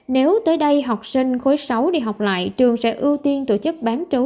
nếu tới đây học sinh khối sáu đi học lại trường sẽ ưu tiên tổ chức bán trú